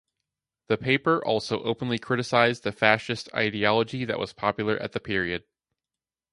The paper also openly criticised the fascist ideology that was popular at the period.